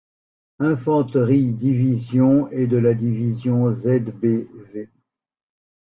Infanterie-Division et de la Division z.b.V.